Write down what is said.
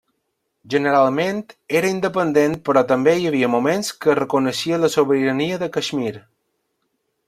Generalment era independent però també hi havia moments que reconeixia la sobirania de Caixmir.